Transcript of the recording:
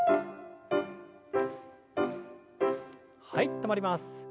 はい止まります。